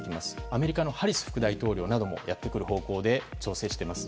アメリカのハリス副大統領などもやってくる方向で調整しています。